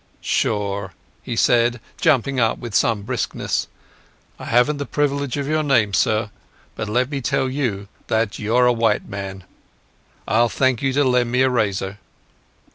"Sure," he said, jumping up with some briskness. "I haven't the privilege of your name, sir, but let me tell you that you're a white man. I'll thank you to lend me a razor."